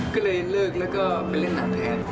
ก็เลยเลิกแล้วก็ไปเล่นหนังแทน